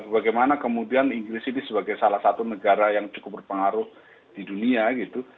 bagaimana kemudian inggris ini sebagai salah satu negara yang cukup berpengaruh di dunia gitu